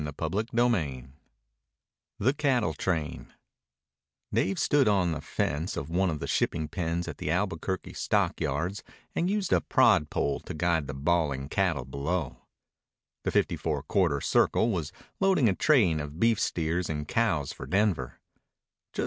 CHAPTER X THE CATTLE TRAIN Dave stood on the fence of one of the shipping pens at the Albuquerque stockyards and used a prod pole to guide the bawling cattle below. The Fifty Four Quarter Circle was loading a train of beef steers and cows for Denver.